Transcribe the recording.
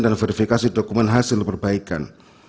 dan verifikasi dokumen hasil perbaikan